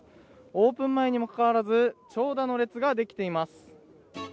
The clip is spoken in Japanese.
オープン前にもかかわらず長蛇の列ができています。